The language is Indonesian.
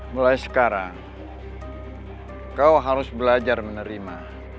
mulai sekarang kau harus belajar menerima